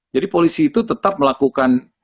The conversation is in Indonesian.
jadi polisi itu tetap melakukan